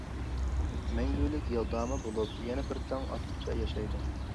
مەڭگۈلۈك يالداما بولۇپ يەنە بىر تاڭ ئاتقۇچە ياشايدۇ !